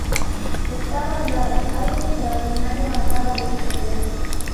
Estaba claro: algo extraordinario acaba de suceder.